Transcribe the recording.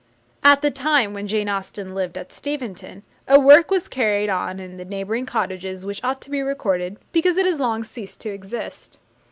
At the time when Jane Austen lived at Steventon, a work was carried on in the neighbouring cottages which ought to be recorded, because it has long ceased to exist.